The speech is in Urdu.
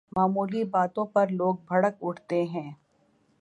معمولی باتوں پر لوگ بھڑک اٹھتے ہیں۔